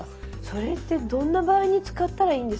それってどんな場合に使ったらいいんですか？